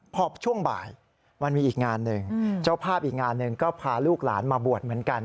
พอช่วงบ่ายมันมีอีกงานหนึ่งเจ้าภาพอีกงานหนึ่งก็พาลูกหลานมาบวชเหมือนกัน